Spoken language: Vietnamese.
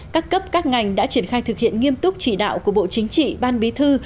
các cấp các ngành đã triển khai thực hiện nghiêm túc chỉ đạo của bộ chính trị ban bí thư